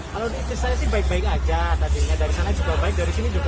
yang dalam bus itu berapa orang yang positif